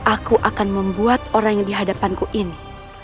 aku akan membuat orang yang di hadapanku ini